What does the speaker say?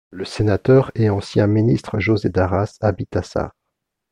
Le sénateur et ancien ministre José Daras habite à Sart.